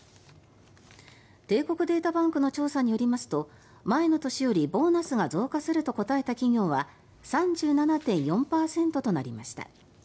帝国データバンクの調査によりますと前の年よりボーナスが増加すると答えた企業は３７．４％となりました。